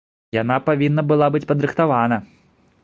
Яна павінна была быць падрыхтавана!